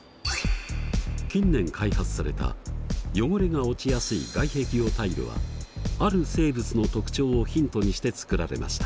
近年開発された汚れが落ちやすい外壁用タイルはある生物の特長をヒントにして作られました。